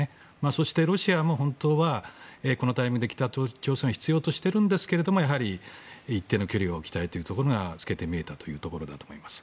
そして、ロシアも本当はこのタイミングで北朝鮮を必要としてるんですけれども一定の距離を置きたいというところが透けて見えたところだと思います。